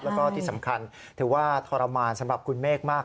แล้วก็ที่สำคัญถือว่าทรมานสำหรับคุณเมฆมาก